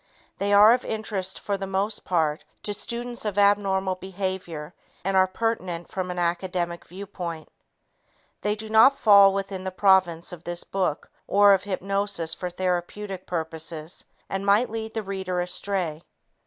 They are of interest for the most part, to students of abnormal behavior and are pertinent from an academic viewpoint. They do not fall within the province of this book or of hypnosis for therapeutic purposes and might lead the reader astray.